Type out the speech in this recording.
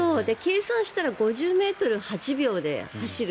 計算したら５０ｍを８秒で走る。